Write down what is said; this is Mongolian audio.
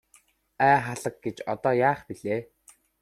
Ай халаг гэж одоо яах билээ.